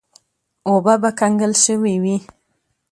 اوبه به کنګل شوې وې.